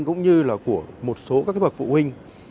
cũng như là của một số các bậc phụ huynh